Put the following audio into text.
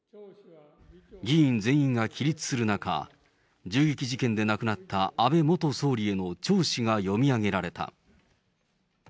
議員全員が起立する中、銃撃事件で亡くなった安倍元総理への弔詞が読み上げられた。